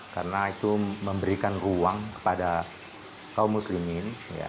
karena itu memberikan ruang kepada kaum muslim ini